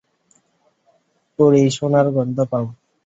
পরীসোনার গন্ধ পাও।